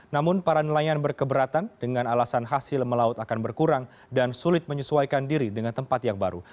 namun para nelayan berkeberatan dengan alasan hasil melaut akan berkurang dan sulit menyesuaikan diri dengan tempat yang baru